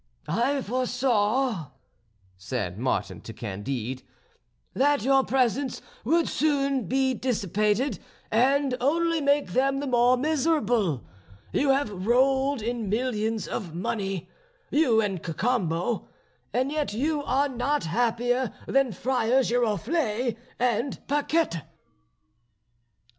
"I foresaw," said Martin to Candide, "that your presents would soon be dissipated, and only make them the more miserable. You have rolled in millions of money, you and Cacambo; and yet you are not happier than Friar Giroflée and Paquette."